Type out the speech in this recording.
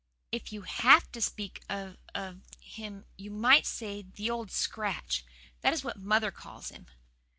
If you HAVE to speak of of him you might say the Old Scratch. That is what mother calls him."